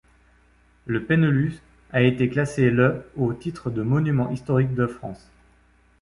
Le Pennelus a été classé le au titre de monuments historique de France.